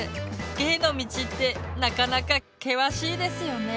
芸の道ってなかなか険しいですよね。